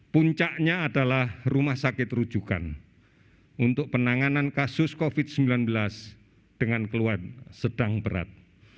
puncaknya adalah rumah sakit rujukan untuk penanganan kasus covid sembilan belas dengan keluhan sedang berat